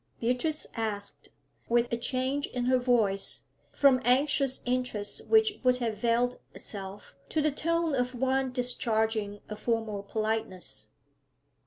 Beatrice asked, with a change in her voice, from anxious interest which would have veiled itself, to the tone of one discharging a formal politeness.